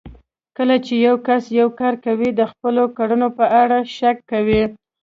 کله چې يو کس يو کار کوي د خپلو کړنو په اړه شک کوي.